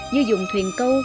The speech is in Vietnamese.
như dùng thuyền câu